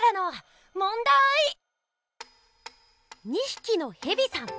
２ひきのヘビさん。